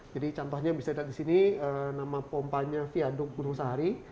jadi contohnya bisa dilihat di sini nama pompanya viaduk gunung sahari